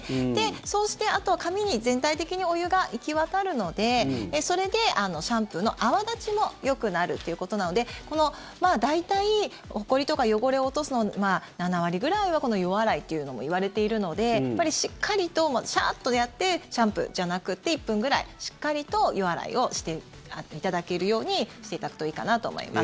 そして、あとは髪に全体的にお湯が行き渡るのでそれでシャンプーの泡立ちもよくなるっていうことなので大体ほこりとか汚れを落とすのは７割ぐらいはこの予洗いともいわれているのでしっかりとシャーッとやってシャンプーじゃなくて１分ぐらいしっかりと予洗いをしていただけるようにしていただくといいかなと思います。